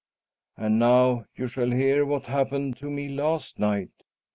"And now you shall hear what happened to me last night.